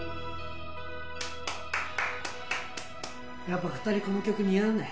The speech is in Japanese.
やっぱ２人この曲似合うね。